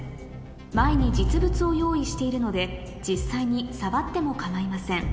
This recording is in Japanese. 前に実物を用意しているので実際に触っても構いません